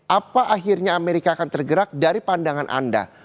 apa akhirnya amerika akan tergerak dari pandangan anda